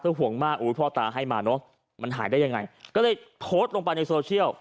ห่วงมากอุ้ยพ่อตาให้มาเนอะมันหายได้ยังไงก็เลยโพสต์ลงไปในโซเชียล